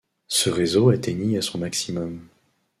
Ce réseau atteignit à son maximum.